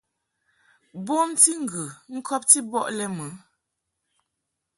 Bomti ŋgə ŋkɔbti bɔ lɛ mɨ.